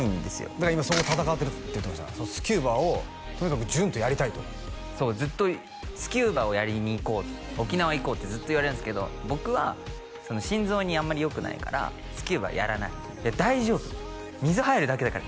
だから今そこ戦ってるって言ってましたスキューバをとにかく淳とやりたいとそうずっとスキューバをやりに行こう沖縄行こうってずっと言われるんですけど僕は心臓にあんまりよくないからスキューバはやらない「大丈夫だよ水入るだけだから」